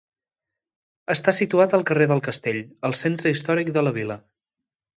Està situat al carrer del Castell, al centre històric de la vila.